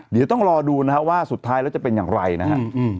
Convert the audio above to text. เดี๋ยวต้องรอดูนะฮะว่าสุดท้ายแล้วจะเป็นอย่างไรนะฮะ